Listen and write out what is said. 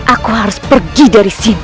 aku harus pergi dari sini